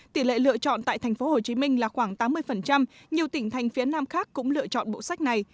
tỷ lệ lựa chọn tại tp hcm là khoảng tám mươi nhiều tỉnh thành phía nam khác cũng lựa chọn bộ sách này